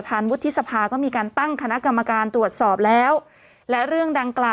ฮ่าฮ่าฮ่าฮ่า